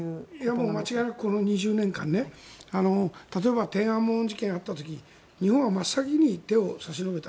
もう間違いなくこの２０年間例えば天安門事件があった時日本は真っ先に手を差し伸べた。